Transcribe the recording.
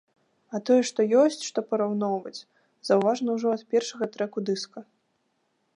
А тое, што ёсць што параўноўваць, заўважна ўжо ад першага трэку дыска.